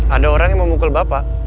ada orang yang memukul bapak